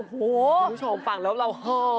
คุณผู้ชมฟังแล้วเหาะ